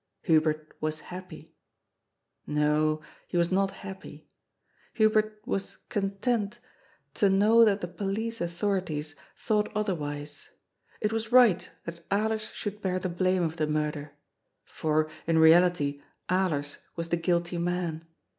Hubert was happy — no, he was not happy — Hubert was content to know that the police authorities thought other wise. It was right that Alers should bear the blame of the murder. For, in reality, Alers was the guilty man.